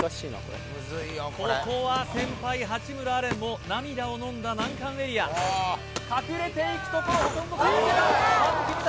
ここは先輩八村阿蓮も涙をのんだ難関エリア隠れていくところここんところき